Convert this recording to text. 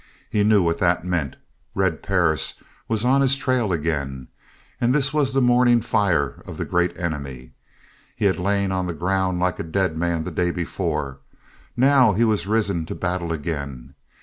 He knew what that meant. Red Perris was on his trail again, and this was the morning fire of the Great Enemy. He had lain on the ground like a dead man the day before. Now he was risen to battle again!